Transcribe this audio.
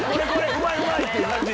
うまいうまい！って感じ？